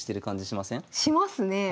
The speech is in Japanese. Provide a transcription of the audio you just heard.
しますねえ。